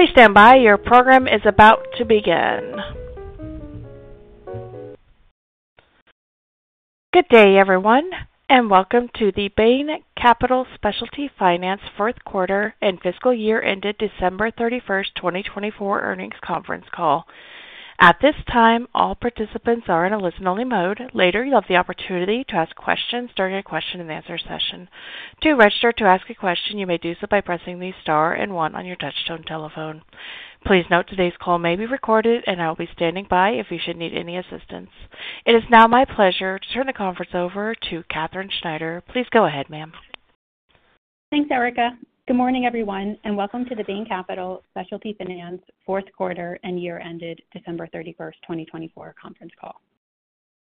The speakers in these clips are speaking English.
Please stand by, your program is about to begin. Good day, everyone, and welcome to the Bain Capital Specialty Finance fourth quarter and fiscal year-ended December 31st, 2024 earnings conference call. At this time, all participants are in a listen-only mode. Later, you'll have the opportunity to ask questions during a question-and-answer session. To register to ask a question, you may do so by pressing the star and one on your touchstone telephone. Please note today's call may be recorded, and I will be standing by if you should need any assistance. It is now my pleasure to turn the conference over to Katherine Schneider. Please go ahead, ma'am. Thanks, Erica. Good morning, everyone, and welcome to the Bain Capital Specialty Finance fourth quarter and year-ended December 31st, 2024 conference call.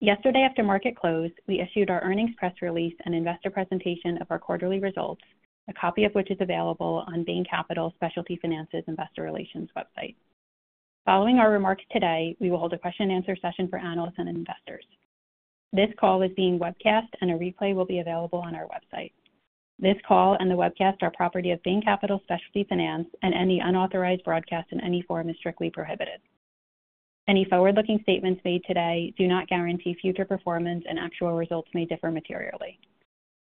Yesterday, after market close, we issued our earnings press release and investor presentation of our quarterly results, a copy of which is available on Bain Capital Specialty Finance's investor relations website. Following our remarks today, we will hold a question-and-answer session for analysts and investors. This call is being webcast, and a replay will be available on our website. This call and the webcast are property of Bain Capital Specialty Finance, and any unauthorized broadcast in any form is strictly prohibited. Any forward-looking statements made today do not guarantee future performance, and actual results may differ materially.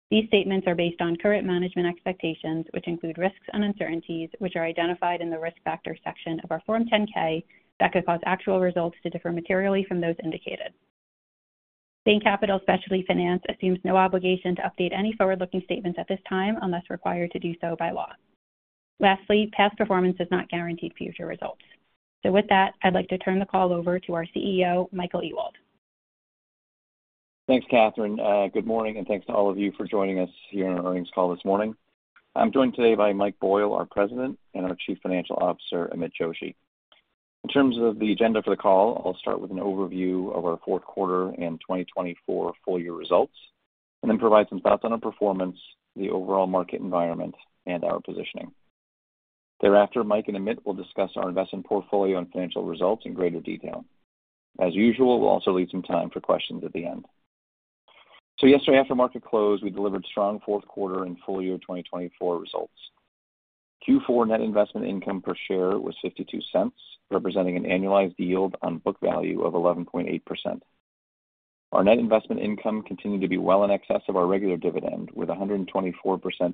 These statements are based on current management expectations, which include risks and uncertainties, which are identified in the risk factor section of our Form 10-K that could cause actual results to differ materially from those indicated. Bain Capital Specialty Finance assumes no obligation to update any forward-looking statements at this time unless required to do so by law. Lastly, past performance does not guarantee future results. With that, I'd like to turn the call over to our CEO, Michael Ewald. Thanks, Katherine. Good morning, and thanks to all of you for joining us here on our earnings call this morning. I'm joined today by Mike Boyle, our President, and our Chief Financial Officer, Amit Joshi. In terms of the agenda for the call, I'll start with an overview of our fourth quarter and 2024 full-year results, and then provide some thoughts on our performance, the overall market environment, and our positioning. Thereafter, Mike and Amit will discuss our investment portfolio and financial results in greater detail. As usual, we'll also leave some time for questions at the end. Yesterday, after market close, we delivered strong fourth quarter and full-year 2024 results. Q4 net investment income per share was $0.52, representing an annualized yield on book value of 11.8%. Our net investment income continued to be well in excess of our regular dividend, with 124%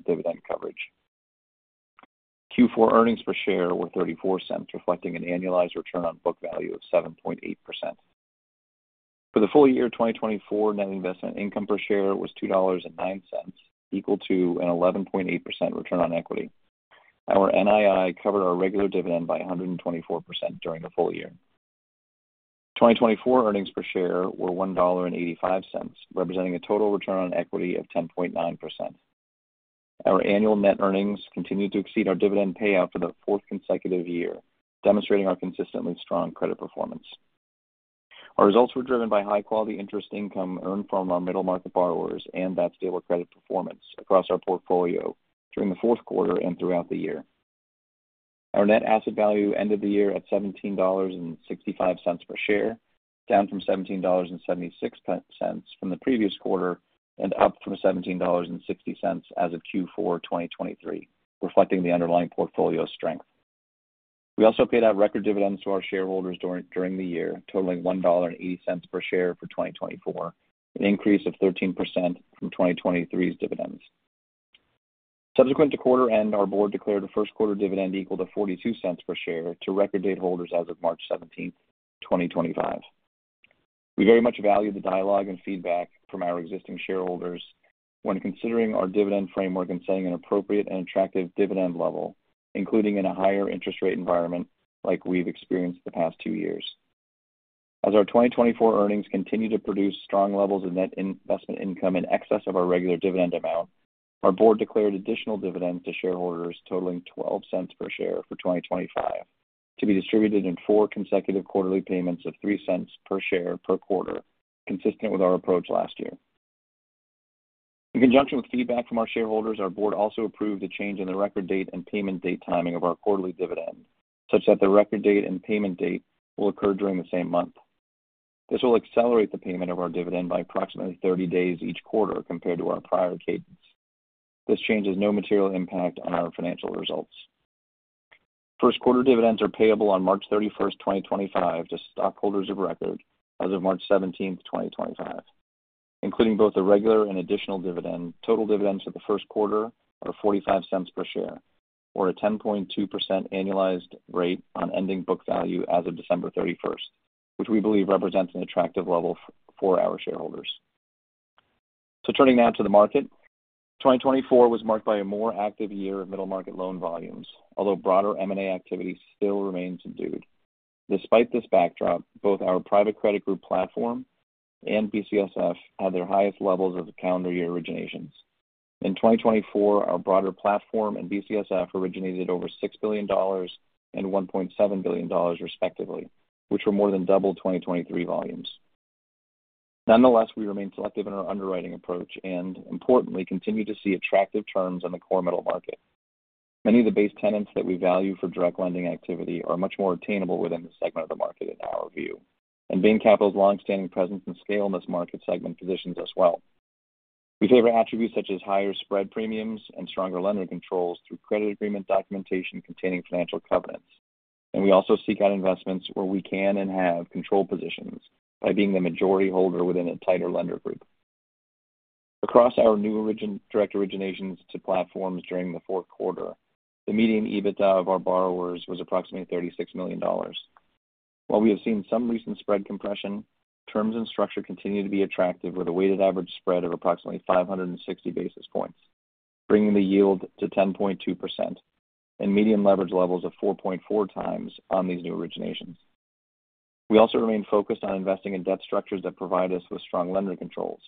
dividend coverage. Q4 earnings per share were $0.34, reflecting an annualized return on book value of 7.8%. For the full year, 2024 net investment income per share was $2.09, equal to an 11.8% return on equity. Our NII covered our regular dividend by 124% during the full year. 2024 earnings per share were $1.85, representing a total return on equity of 10.9%. Our annual net earnings continued to exceed our dividend payout for the fourth consecutive year, demonstrating our consistently strong credit performance. Our results were driven by high-quality interest income earned from our middle market borrowers and that stable credit performance across our portfolio during the fourth quarter and throughout the year. Our net asset value ended the year at $17.65 per share, down from $17.76 from the previous quarter and up from $17.60 as of Q4 2023, reflecting the underlying portfolio strength. We also paid out record dividends to our shareholders during the year, totaling $1.80 per share for 2024, an increase of 13% from 2023's dividends. Subsequent to quarter end, our board declared a first quarter dividend equal to $0.42 per share to record date holders as of March 17th, 2025. We very much value the dialogue and feedback from our existing shareholders when considering our dividend framework and setting an appropriate and attractive dividend level, including in a higher interest rate environment like we've experienced the past two years. As our 2024 earnings continue to produce strong levels of net investment income in excess of our regular dividend amount, our board declared additional dividends to shareholders totaling $0.12 per share for 2025 to be distributed in four consecutive quarterly payments of $0.03 per share per quarter, consistent with our approach last year. In conjunction with feedback from our shareholders, our board also approved the change in the record date and payment date timing of our quarterly dividend, such that the record date and payment date will occur during the same month. This will accelerate the payment of our dividend by approximately 30 days each quarter compared to our prior cadence. This change has no material impact on our financial results. First quarter dividends are payable on March 31st, 2025, to stockholders of record as of March 17th, 2025. Including both the regular and additional dividend, total dividends for the first quarter are $0.45 per share, or a 10.2% annualized rate on ending book value as of December 31st, which we believe represents an attractive level for our shareholders. Turning now to the market, 2024 was marked by a more active year of middle market loan volumes, although broader M&A activity still remains subdued. Despite this backdrop, both our private credit group platform and BCSF had their highest levels of calendar year originations. In 2024, our broader platform and BCSF originated over $6 billion and $1.7 billion, respectively, which were more than double 2023 volumes. Nonetheless, we remain selective in our underwriting approach and, importantly, continue to see attractive terms on the core middle market. Many of the base tenets that we value for direct lending activity are much more attainable within the segment of the market, in our view, and Bain Capital's long-standing presence and scale in this market segment positions us well. We favor attributes such as higher spread premiums and stronger lender controls through credit agreement documentation containing financial covenants, and we also seek out investments where we can and have control positions by being the majority holder within a tighter lender group. Across our new direct originations to platforms during the fourth quarter, the median EBITDA of our borrowers was approximately $36 million. While we have seen some recent spread compression, terms and structure continue to be attractive with a weighted average spread of approximately 560 basis points, bringing the yield to 10.2% and median leverage levels of 4.4x on these new originations. We also remain focused on investing in debt structures that provide us with strong lender controls.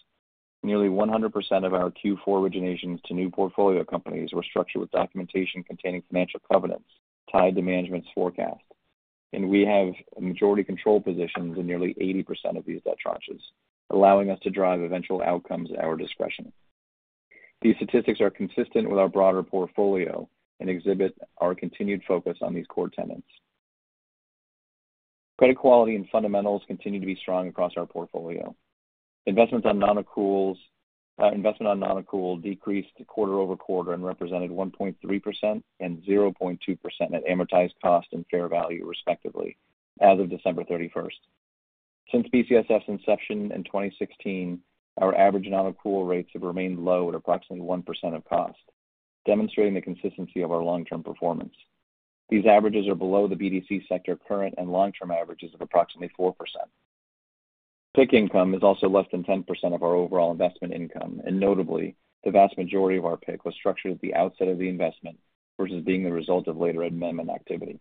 Nearly 100% of our Q4 originations to new portfolio companies were structured with documentation containing financial covenants tied to management's forecast, and we have majority control positions in nearly 80% of these debt charges, allowing us to drive eventual outcomes at our discretion. These statistics are consistent with our broader portfolio and exhibit our continued focus on these core tenets. Credit quality and fundamentals continue to be strong across our portfolio. Investment on non-accrual decreased quarter-over-quarter and represented 1.3% and 0.2% at amortized cost and fair value, respectively, as of December 31st. Since BCSF's inception in 2016, our average non-accrual rates have remained low at approximately 1% of cost, demonstrating the consistency of our long-term performance. These averages are below the BDC sector current and long-term averages of approximately 4%. Pick income is also less than 10% of our overall investment income, and notably, the vast majority of our pick was structured at the outset of the investment versus being the result of later amendment activity.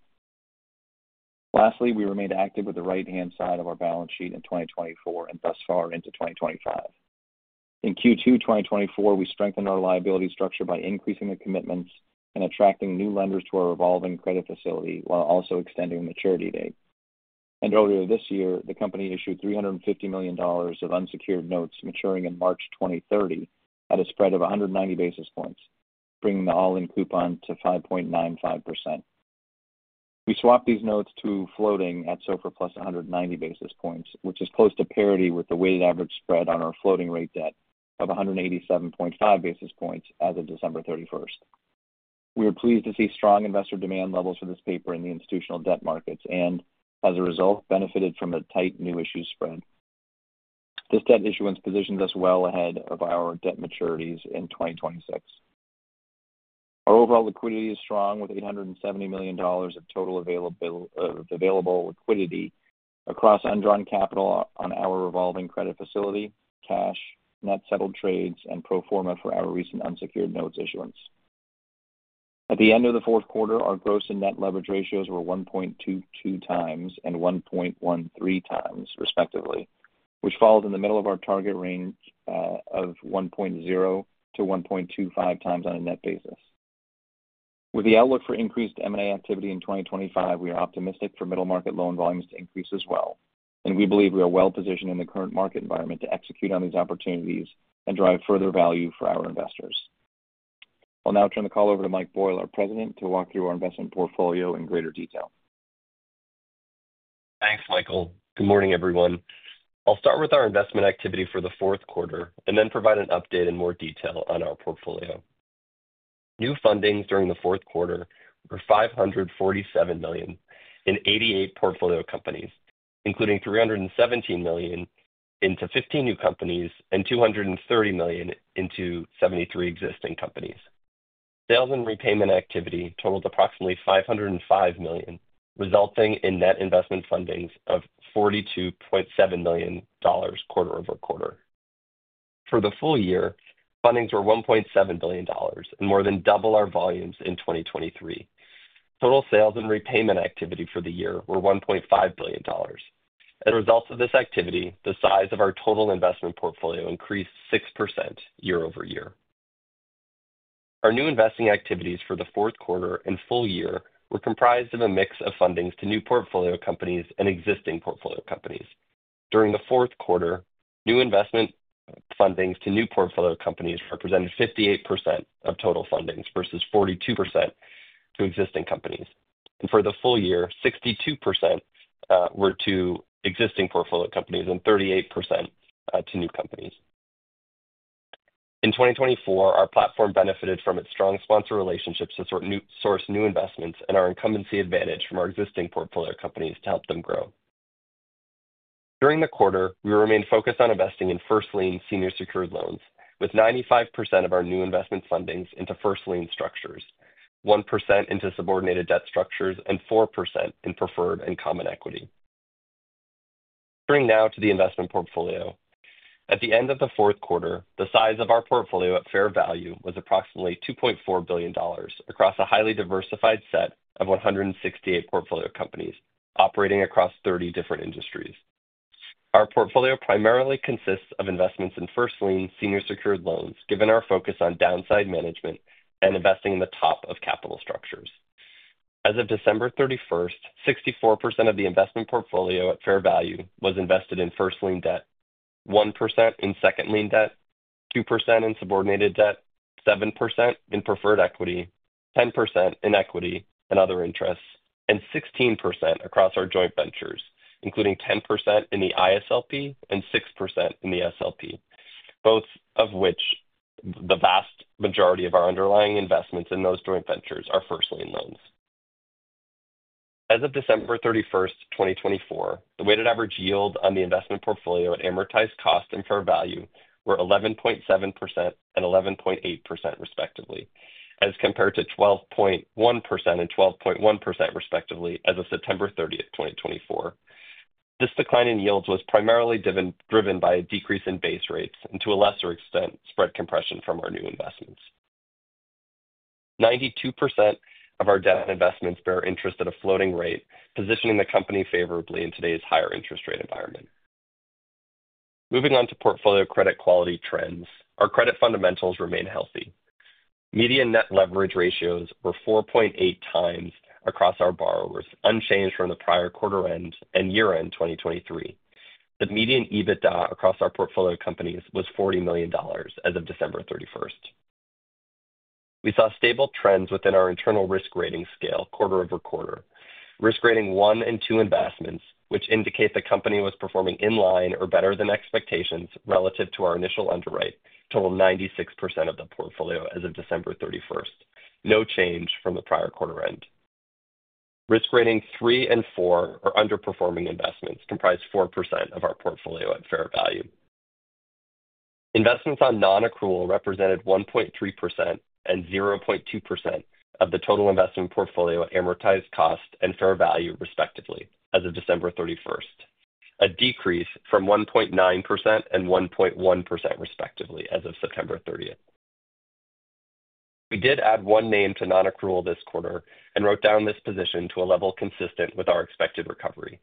Lastly, we remained active with the right-hand side of our balance sheet in 2024 and thus far into 2025. In Q2 2024, we strengthened our liability structure by increasing the commitments and attracting new lenders to our evolving credit facility while also extending the maturity date. Earlier this year, the company issued $350 million of unsecured notes maturing in March 2030 at a spread of 190 basis points, bringing the all-in coupon to 5.95%. We swapped these notes to floating at SOFR plus 190 basis points, which is close to parity with the weighted average spread on our floating rate debt of 187.5 basis points as of December 31st. We are pleased to see strong investor demand levels for this paper in the institutional debt markets and, as a result, benefited from a tight new issue spread. This debt issuance positions us well ahead of our debt maturities in 2026. Our overall liquidity is strong with $870 million of total available liquidity across undrawn capital on our revolving credit facility, cash, net settled trades, and pro forma for our recent unsecured notes issuance. At the end of the fourth quarter, our gross and net leverage ratios were 1.22x and 1.13x, respectively, which falls in the middle of our target range of 1.0x-1.25x on a net basis. With the outlook for increased M&A activity in 2025, we are optimistic for middle market loan volumes to increase as well, and we believe we are well positioned in the current market environment to execute on these opportunities and drive further value for our investors. I'll now turn the call over to Mike Boyle, our President, to walk through our investment portfolio in greater detail. Thanks, Michael. Good morning, everyone. I'll start with our investment activity for the fourth quarter and then provide an update in more detail on our portfolio. New fundings during the fourth quarter were $547 million in 88 portfolio companies, including $317 million into 15 new companies and $230 million into 73 existing companies. Sales and repayment activity totaled approximately $505 million, resulting in net investment fundings of $42.7 million quarter-over-quarter. For the full year, fundings were $1.7 billion and more than double our volumes in 2023. Total sales and repayment activity for the year were $1.5 billion. As a result of this activity, the size of our total investment portfolio increased 6% year-over-year. Our new investing activities for the fourth quarter and full year were comprised of a mix of fundings to new portfolio companies and existing portfolio companies. During the fourth quarter, new investment fundings to new portfolio companies represented 58% of total fundings versus 42% to existing companies. For the full year, 62% were to existing portfolio companies and 38% to new companies. In 2024, our platform benefited from its strong sponsor relationships to source new investments and our incumbency advantage from our existing portfolio companies to help them grow. During the quarter, we remained focused on investing in first lien senior secured loans, with 95% of our new investment fundings into first lien structures, 1% into subordinated debt structures, and 4% in preferred and common equity. Turning now to the investment portfolio. At the end of the fourth quarter, the size of our portfolio at fair value was approximately $2.4 billion across a highly diversified set of 168 portfolio companies operating across 30 different industries. Our portfolio primarily consists of investments in first lien senior secured loans, given our focus on downside management and investing in the top of capital structures. As of December 31st, 64% of the investment portfolio at fair value was invested in first lien debt, 1% in second lien debt, 2% in subordinated debt, 7% in preferred equity, 10% in equity and other interests, and 16% across our joint ventures, including 10% in the ISLP and 6% in the SLP, both of which the vast majority of our underlying investments in those joint ventures are first lien loans. As of December 31, 2024, the weighted average yield on the investment portfolio at amortized cost and fair value were 11.7% and 11.8%, respectively, as compared to 12.1% and 12.1%, respectively, as of September 30th, 2024. This decline in yields was primarily driven by a decrease in base rates and, to a lesser extent, spread compression from our new investments. 92% of our debt investments bear interest at a floating rate, positioning the company favorably in today's higher interest rate environment. Moving on to portfolio credit quality trends, our credit fundamentals remain healthy. Median net leverage ratios were 4.8x across our borrowers, unchanged from the prior quarter end and year end 2023. The median EBITDA across our portfolio companies was $40 million as of December 31st. We saw stable trends within our internal risk rating scale quarter-over quarter. Risk rating one and two investments, which indicate the company was performing in line or better than expectations relative to our initial underwrite, totaled 96% of the portfolio as of December 31st, no change from the prior quarter end. Risk rating three and four are underperforming investments, comprised 4% of our portfolio at fair value. Investments on non-accrual represented 1.3% and 0.2% of the total investment portfolio at amortized cost and fair value, respectively, as of December 31st, a decrease from 1.9% and 1.1%, respectively, as of September 30th. We did add one name to non-accrual this quarter and wrote down this position to a level consistent with our expected recovery.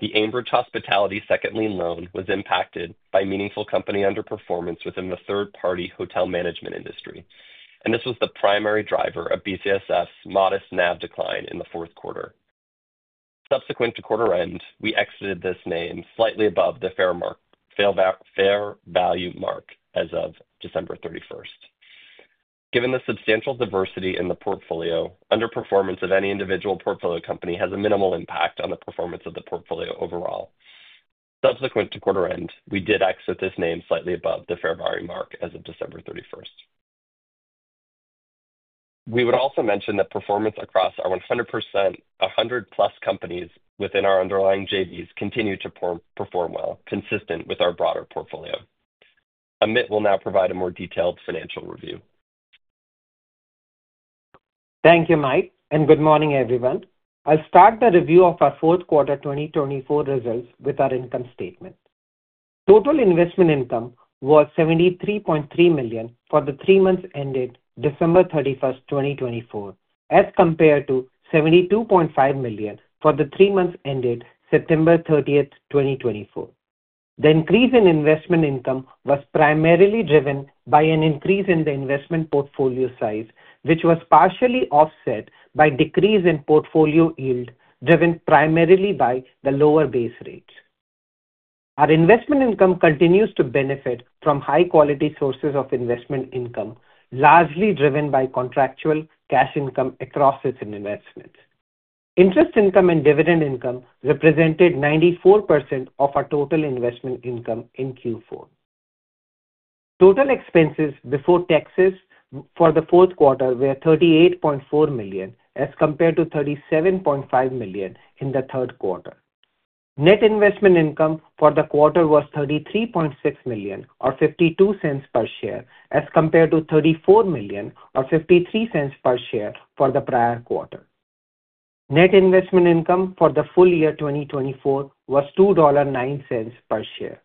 The Amber Hospitality second lien loan was impacted by meaningful company underperformance within the third-party hotel management industry, and this was the primary driver of BCSF's modest NAV decline in the fourth quarter. Subsequent to quarter end, we exited this name slightly above the fair value mark as of December 31. Given the substantial diversity in the portfolio, underperformance of any individual portfolio company has a minimal impact on the performance of the portfolio overall. Subsequent to quarter end, we did exit this name slightly above the fair value mark as of December 31st. We would also mention that performance across our 100+ companies within our underlying JVs continued to perform well, consistent with our broader portfolio. Amit will now provide a more detailed financial review. Thank you, Mike, and good morning, everyone. I'll start the review of our fourth quarter 2024 results with our income statement. Total investment income was $73.3 million for the three months ended December 31st, 2024, as compared to $72.5 million for the three months ended September 30th, 2024. The increase in investment income was primarily driven by an increase in the investment portfolio size, which was partially offset by a decrease in portfolio yield driven primarily by the lower base rates. Our investment income continues to benefit from high-quality sources of investment income, largely driven by contractual cash income across its investments. Interest income and dividend income represented 94% of our total investment income in Q4. Total expenses before taxes for the fourth quarter were $38.4 million, as compared to $37.5 million in the third quarter. Net investment income for the quarter was $33.6 million, or $0.52 per share, as compared to $34 million, or $0.53 per share for the prior quarter. Net investment income for the full year 2024 was $2.09 per share.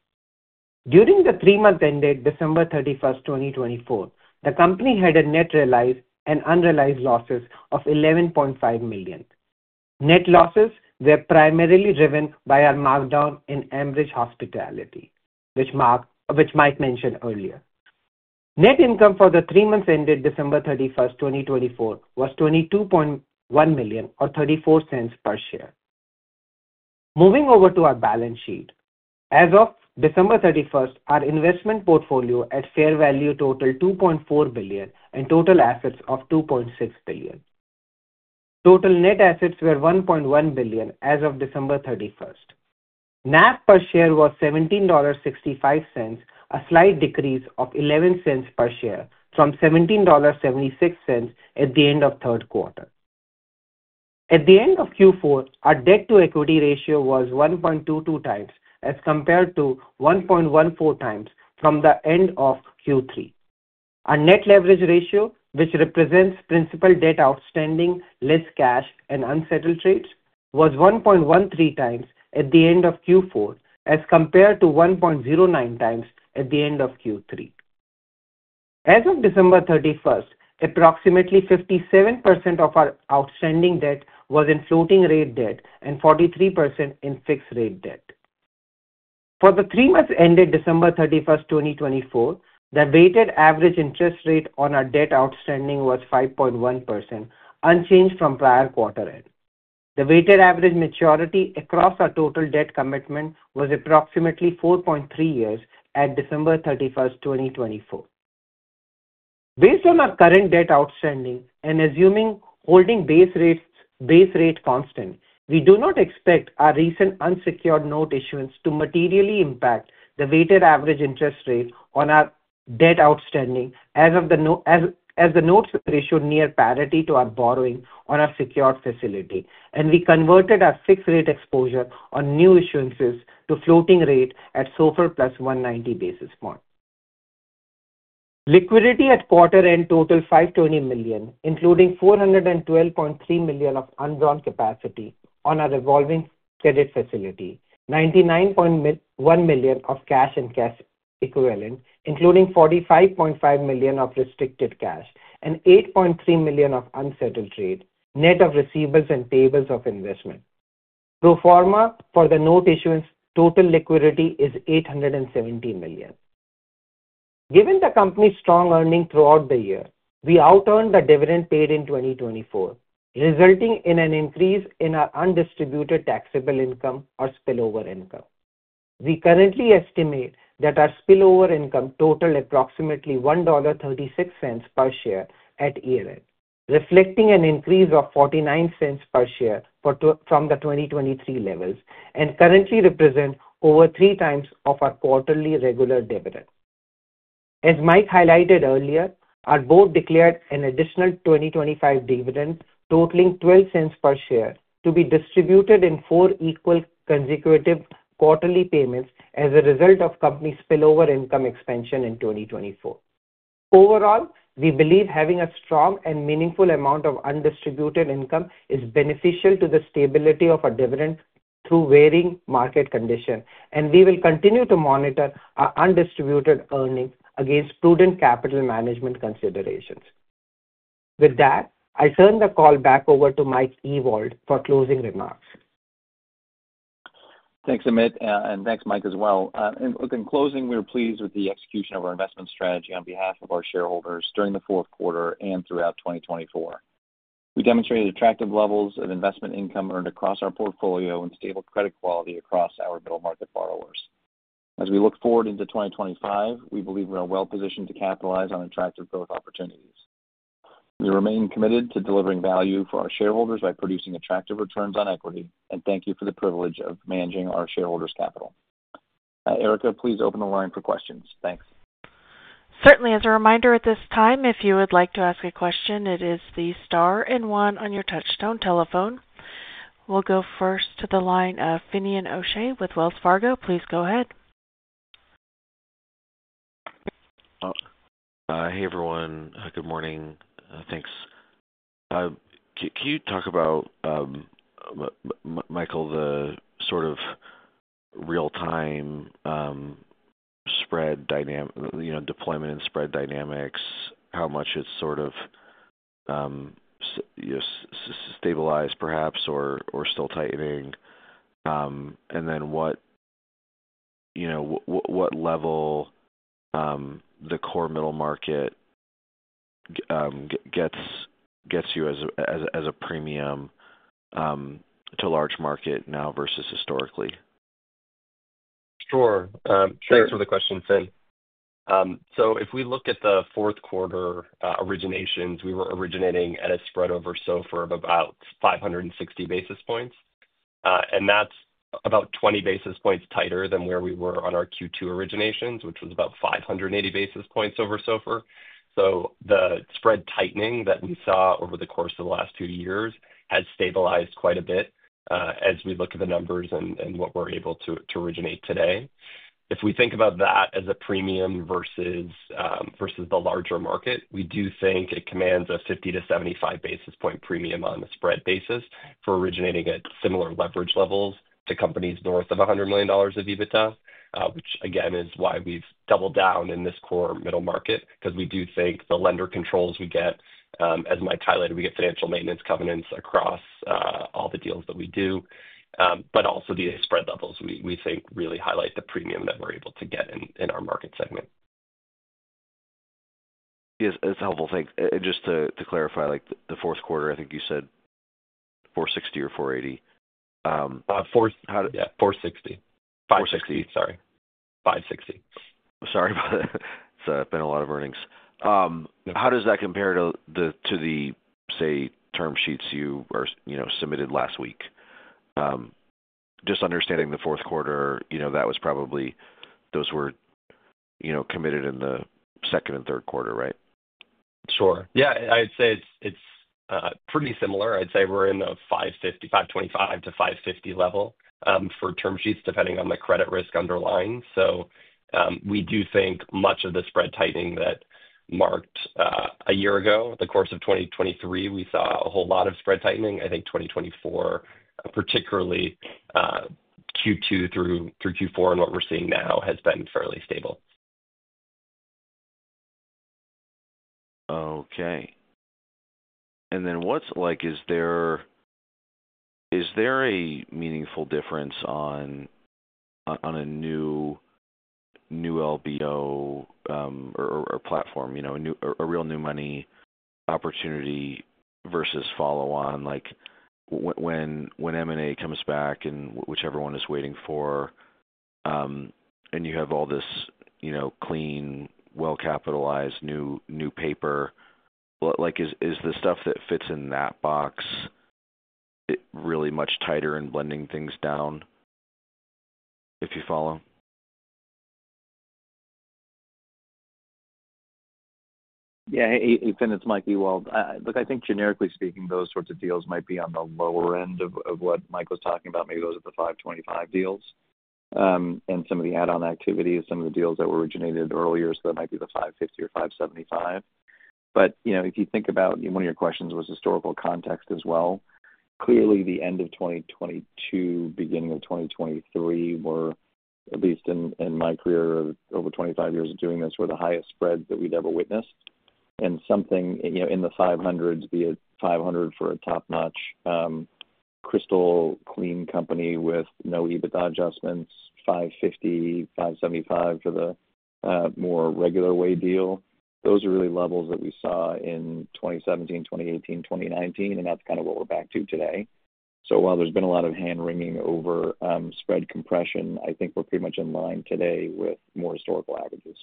During the three-month end date December 31st, 2024, the company had net realized and unrealized losses of $11.5 million. Net losses were primarily driven by our markdown in Amber Hospitality, which Mike mentioned earlier. Net income for the three months ended December 31st, 2024, was $22.1 million, or $0.34 per share. Moving over to our balance sheet, as of December 31st, our investment portfolio at fair value totaled $2.4 billion and total assets of $2.6 billion. Total net assets were $1.1 billion as of December 31st. NAV per share was $17.65, a slight decrease of $0.11 per share from $17.76 at the end of the third quarter. At the end of Q4, our debt-to-equity ratio was 1.22x, as compared to 1.14x from the end of Q3. Our net leverage ratio, which represents principal debt outstanding, less cash, and unsettled trades, was 1.13x at the end of Q4, as compared to 1.09x at the end of Q3. As of December 31st, approximately 57% of our outstanding debt was in floating rate debt and 43% in fixed rate debt. For the three months ended December 31st, 2024, the weighted average interest rate on our debt outstanding was 5.1%, unchanged from prior quarter end. The weighted average maturity across our total debt commitment was approximately 4.3 years at December 31st, 2024. Based on our current debt outstanding and assuming holding base rates constant, we do not expect our recent unsecured note issuance to materially impact the weighted average interest rate on our debt outstanding as the notes issued near parity to our borrowing on our secured facility. We converted our fixed rate exposure on new issuances to floating rate at SOFR+ 190 basis points. Liquidity at quarter end totaled $520 million, including $412.3 million of unborrowed capacity on our revolving credit facility, $99.1 million of cash and cash equivalents, including $45.5 million of restricted cash, and $8.3 million of unsettled trade, net of receivables and payables of investment. Pro forma for the note issuance, total liquidity is $870 million. Given the company's strong earnings throughout the year, we out-earned the dividend paid in 2024, resulting in an increase in our undistributed taxable income, or spillover income. We currently estimate that our spillover income totaled approximately $1.36 per share at year end, reflecting an increase of $0.49 per share from the 2023 levels and currently represents over 3x our quarterly regular dividend. As Mike highlighted earlier, our board declared an additional 2025 dividend totaling $0.12 per share to be distributed in four equal consecutive quarterly payments as a result of the company's spillover income expansion in 2024. Overall, we believe having a strong and meaningful amount of undistributed income is beneficial to the stability of our dividend through varying market conditions, and we will continue to monitor our undistributed earnings against prudent capital management considerations. With that, I'll turn the call back over to Mike Ewald for closing remarks. Thanks, Amit, and thanks, Mike, as well. In closing, we're pleased with the execution of our investment strategy on behalf of our shareholders during the fourth quarter and throughout 2024. We demonstrated attractive levels of investment income earned across our portfolio and stable credit quality across our middle-market borrowers. As we look forward into 2025, we believe we're well-positioned to capitalize on attractive growth opportunities. We remain committed to delivering value for our shareholders by producing attractive returns on equity, and thank you for the privilege of managing our shareholders' capital. Erica, please open the line for questions. Thanks. Certainly. As a reminder at this time, if you would like to ask a question, it is the star and one on your touchstone telephone. We'll go first to the line of Finian O'Shea with Wells Fargo. Please go ahead. Hey, everyone. Good morning. Thanks. Can you talk about, Michael, the sort of real-time spread dynamic, deployment and spread dynamics, how much it's sort of stabilized, perhaps, or still tightening? And then what level the core middle market gets you as a premium to large market now versus historically? Sure. Thanks for the question, Finn. If we look at the fourth quarter originations, we were originating at a spread over SOFR of about 560 basis points, and that's about 20 basis points tighter than where we were on our Q2 originations, which was about 580 basis points over SOFR. The spread tightening that we saw over the course of the last two years has stabilized quite a bit as we look at the numbers and what we're able to originate today. If we think about that as a premium versus the larger market, we do think it commands a 50-75 basis point premium on the spread basis for originating at similar leverage levels to companies north of $100 million of EBITDA, which, again, is why we've doubled down in this core middle market, because we do think the lender controls we get, as Mike highlighted, we get financial maintenance covenants across all the deals that we do, but also the spread levels we think really highlight the premium that we're able to get in our market segment. That's helpful. Thanks. Just to clarify, the fourth quarter, I think you said 460 or 480? 460. 560. Sorry. 560. Sorry about that. It's been a lot of earnings. How does that compare to the, say, term sheets you submitted last week? Just understanding the fourth quarter, that was probably those were committed in the second and third quarter, right? Sure. Yeah. I'd say it's pretty similar. I'd say we're in the 525-550 level for term sheets, depending on the credit risk underlying. We do think much of the spread tightening that marked a year ago, the course of 2023, we saw a whole lot of spread tightening. I think 2024, particularly Q2 through Q4 and what we're seeing now, has been fairly stable. Okay. What's like, is there a meaningful difference on a new LBO or platform, a real new money opportunity versus follow-on? When M&A comes back, and whichever one is waiting for, and you have all this clean, well-capitalized new paper, is the stuff that fits in that box really much tighter in blending things down, if you follow? Yeah. Hey, Finney, it's Mike Ewald. Look, I think, generically speaking, those sorts of deals might be on the lower end of what Mike was talking about, maybe those are the 525 deals and some of the add-on activities, some of the deals that were originated earlier, so that might be the 550 or 575. If you think about one of your questions was historical context as well. Clearly, the end of 2022, beginning of 2023, were, at least in my career of over 25 years of doing this, were the highest spreads that we'd ever witnessed. Something in the 500s, be it 500 for a top-notch crystal clean company with no EBITDA adjustments, 550, 575 for the more regular way deal, those are really levels that we saw in 2017, 2018, 2019, and that's kind of what we're back to today. While there's been a lot of hand-wringing over spread compression, I think we're pretty much in line today with more historical averages.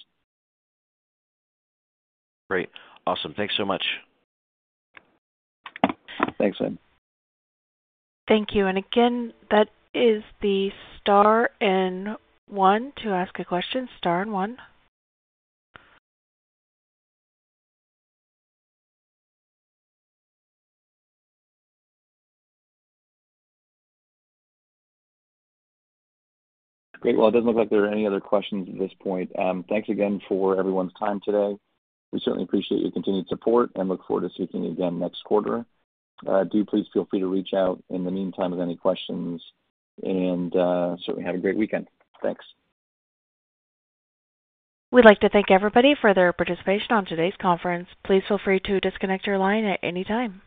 Great. Awesome. Thanks so much. Thanks, Finn. Thank you. That is the star and one to ask a question. Star and one. Great. It doesn't look like there are any other questions at this point. Thanks again for everyone's time today. We certainly appreciate your continued support and look forward to speaking again next quarter. Do please feel free to reach out in the meantime with any questions, and certainly have a great weekend. Thanks. We'd like to thank everybody for their participation on today's conference. Please feel free to disconnect your line at any time.